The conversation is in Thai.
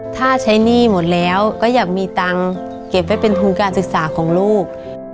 ถ้าใช้หนี้หมดแล้วก็อยากมีตังค์เก็บไว้เป็นทุนการศึกษาของลูก